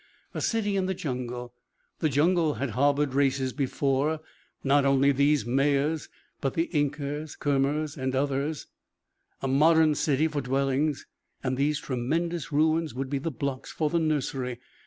A city in the jungle the jungle had harboured races before: not only these Mayas, but the Incas, Khmers, and others. A modern city for dwellings, and these tremendous ruins would be the blocks for the nursery.